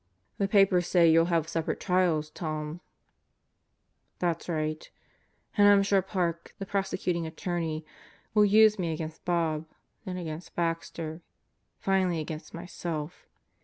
"The papers say you'll have separate trials, Tom." "That's right. And I'm sure Park, the Prosecuting Attorney, will use me against Bob, then against Baxter, finally against my self.